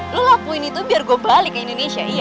lo lapuin itu biar gue balik ke indonesia iya